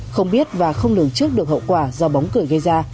không biết và không lường trước được hậu quả do bóng cười gây ra